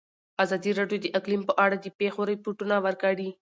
ازادي راډیو د اقلیم په اړه د پېښو رپوټونه ورکړي.